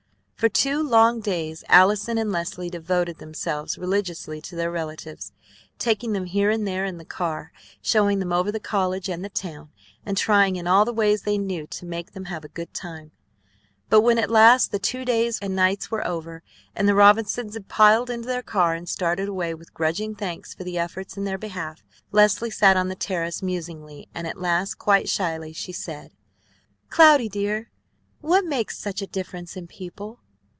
For two long days Allison and Leslie devoted themselves religiously to their relatives, taking them here and there in the car, showing them over the college and the town, and trying in all the ways they knew to make them have a good time; but when at last the two days and two nights were over, and the Robinsons had piled into their car and started away with grudging thanks for the efforts in their behalf, Leslie sat on the terrace musingly; and at last quite shyly she said: "Cloudy, dear, what makes such a difference in people?